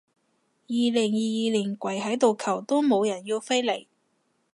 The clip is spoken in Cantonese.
二零二二年跪喺度求都冇人要飛嚟